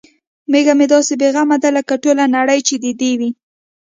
میږه مې داسې بې غمه ده لکه ټوله نړۍ چې د دې وي.